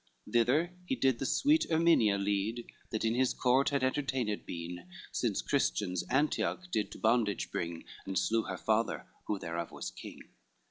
Thither he did the sweet Erminia lead, That in his court had entertained been Since Christians Antioch did to bondage bring, And slew her father, who thereof was king.